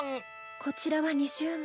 こちらは２０万。